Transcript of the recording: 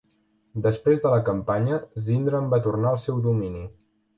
Després de la campanya, Zyndram va tornar al seu domini.